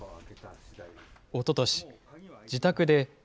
おととし、自宅で